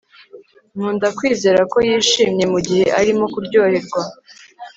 nkunda kwizera ko yishimye mugihe arimo kuryoherwa